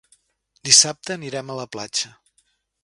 Dissabte anirem a la platja.